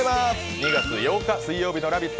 ２月８日水曜日の「ラヴィット！」